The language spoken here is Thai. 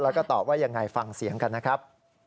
แล้วก็ตอบว่ายังไงฟังเสียงกันนะครับ